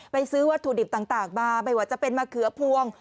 ซื้อวัตถุดิบต่างมาไม่ว่าจะเป็นมะเขือพวง